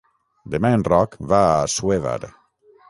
Demà en Roc va a Assuévar.